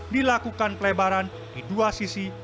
dilakukan pelebaran di dua sisi